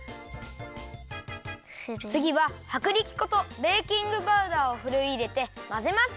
つぎははくりき粉とベーキングパウダーをふるいいれてまぜます！